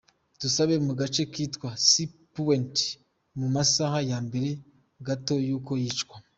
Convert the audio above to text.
Dusabe mu gace kitwa Sea Point mu masaha ya mbere gato y’uko yicwa.